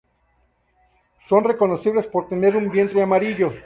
Son reconocibles por tener un vientre amarillo.